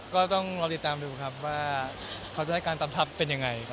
ก็ต้องรอติดตามดูครับว่าเขาจะให้การตำทัพเป็นยังไง